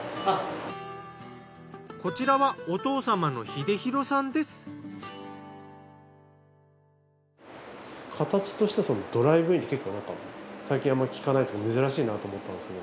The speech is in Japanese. こちらは形としてはドライブインって結構最近あんまり聞かないというか珍しいなと思ったんですけど。